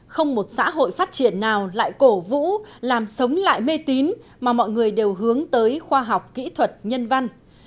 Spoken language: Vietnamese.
không một xã hội phát triển nào lại cổ vũ làm sống lại mê tín mà mọi người đều hướng tới khoa học kỹ thuật nhân văn